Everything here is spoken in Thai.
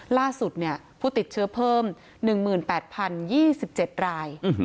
ล่าสุดผู้ติดเชื้อเพิ่ม๑๘๐๒๗ราย